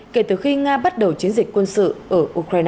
kể từ khi nga bắt đầu chiến dịch quân sự ở ukraine